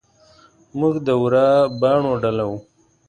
موږ د ورا باڼو ډله وو.